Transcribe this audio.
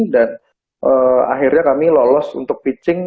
akhirnya kami lolos untuk pitching